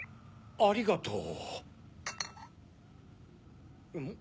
ありがとう。